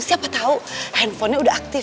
siapa tahu handphonenya udah aktif